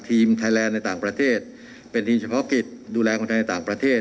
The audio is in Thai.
ทีมไทยแลนด์ในต่างประเทศเป็นทีมเฉพาะกิจดูแลคนไทยในต่างประเทศ